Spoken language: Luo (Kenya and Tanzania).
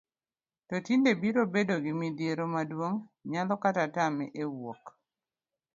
to tiende biro bedo gi midhiero maduong',nyalo kata tame e wuoth